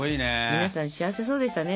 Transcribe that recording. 皆さん幸せそうでしたね